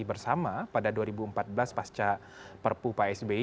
bersama pada dua ribu empat belas pasca perpu pak sby